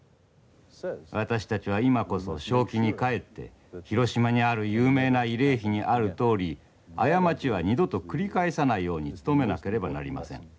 私たちは今こそ正気に返って広島にある有名な慰霊碑にあるとおり過ちは二度と繰り返さないように努めなければなりません。